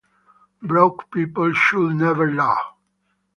Broke people should never laugh!